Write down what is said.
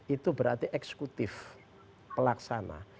itu berarti eksekutif pelaksana